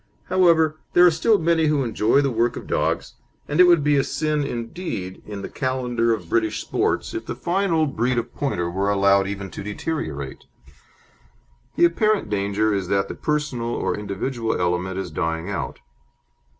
However, there are many still who enjoy the work of dogs, and it would be a sin indeed in the calendar of British sports if the fine old breed of Pointer were allowed even to deteriorate. The apparent danger is that the personal or individual element is dying out.